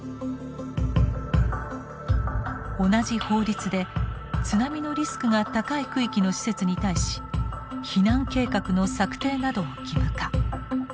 同じ法律で津波のリスクが高い区域の施設に対し避難計画の策定などを義務化。